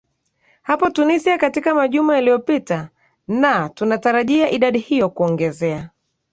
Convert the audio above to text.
hapo tunisia katika majumaa yaliopita naa tunatarajia idadi hiyo kuongezea